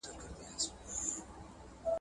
او په ښار کي چي قصاب وو ډېر خیرمن وو